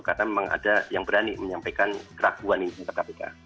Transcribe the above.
karena memang ada yang berani menyampaikan keraguan ini ke kpk